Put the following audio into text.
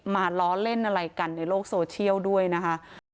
ล้อเล่นอะไรกันในโลกโซเชียลด้วยนะคะ